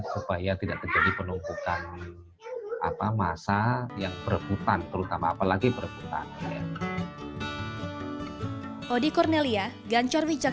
supaya tidak terjadi penumpukan masa yang perebutan terutama apalagi perebutan